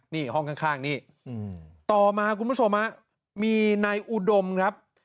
นี่ห้องข้างนี่ต่อมาคุณผู้ชมฮะมีนายอุดมครับ